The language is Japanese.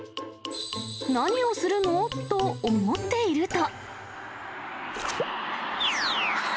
何をするの？と思っていると。